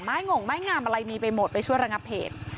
ไม้งงไม้งามอะไรมีไปหมดไปช่วยรังพเผช